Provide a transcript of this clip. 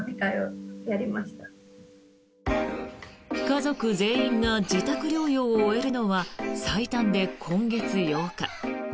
家族全員が自宅療養を終えるのは最短で今月８日。